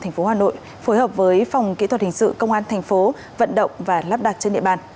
thành phố hà nội phối hợp với phòng kỹ thuật hình sự công an thành phố vận động và lắp đặt trên địa bàn